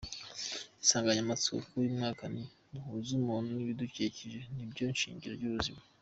Insanganyamatsiko y’uyu mwaka ni: “Duhuze umuntu n’ibidukikije ni byo shingiro ry’ubuzima.